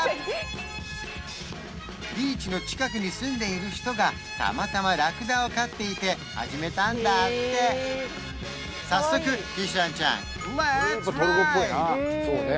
ビーチの近くに住んでいる人がたまたまラクダを飼っていて始めたんだって早速ジシャンちゃん